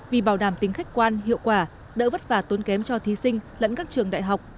vì bảo đảm tính khách quan hiệu quả đỡ vất vả tốn kém cho thí sinh lẫn các trường đại học